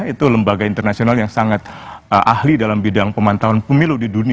itu lembaga internasional yang sangat ahli dalam bidang pemantauan pemilu di dunia